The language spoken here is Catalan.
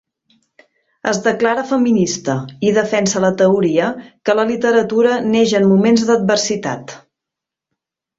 Es declara feminista i defensa la teoria que la literatura neix en moments d'adversitat.